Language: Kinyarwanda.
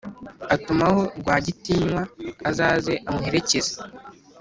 atumaho rwagitinywa azaze amuherekeze